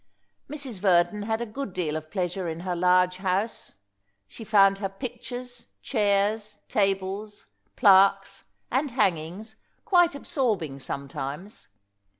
Mrs. Verdon had a good deal of pleasure in her large house. She found her pictures, chairs, tables, plaques, and hangings quite absorbing sometimes.